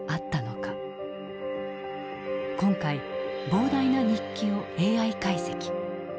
今回膨大な日記をＡＩ解析。